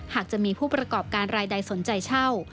หากจะมีผู้ประกอบการรายใดสนใจเช่า